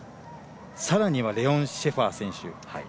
さらにはレオン・シェファー選手。